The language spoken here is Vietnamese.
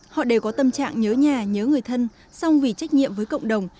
họ đều có tâm trạng nhớ nhà nhớ người thân song vì trách nhiệm với cộng đồng